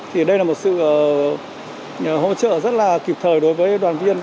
thì đây là một sự hỗ trợ rất là kịp thời đối với đoàn viên